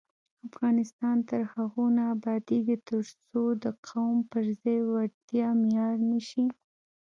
افغانستان تر هغو نه ابادیږي، ترڅو د قوم پر ځای وړتیا معیار نشي.